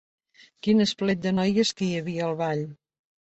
Quin esplet de noies que hi havia, al ball!